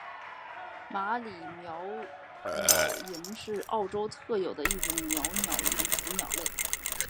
马里鹋鹩莺是澳洲特有的一种鹋鹩莺属鸟类。